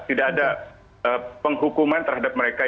tidak ada penghukuman terhadap mereka